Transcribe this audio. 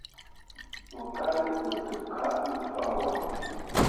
Mo kaa ne ɓu deb kah mo fah wat.